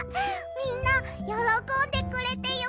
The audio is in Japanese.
みんなよろこんでくれてよかった！